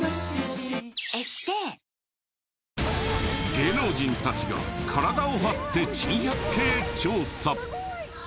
芸能人たちが体を張って珍百景調査！